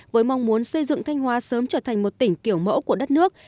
với mong muốn xây dựng thanh hóa sớm trở thành một tỉnh kiểu mẫu của đất nước